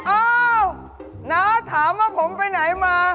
อ้าวน้าถามว่าผมไปไหนมา